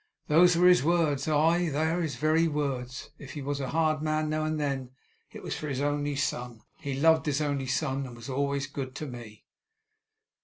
Those were his words; aye, they are his very words! If he was a hard man now and then, it was for his only son. He loved his only son, and he was always good to me!